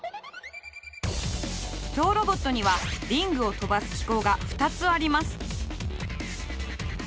ゾウロボットにはリングを飛ばす機構が２つあります。